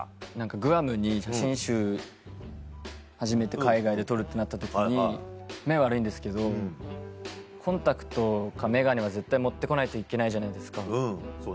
グアムに写真集初めて海外で撮るってなった時に目悪いんですけどコンタクトか眼鏡は絶対持って来ないといけないじゃないですか。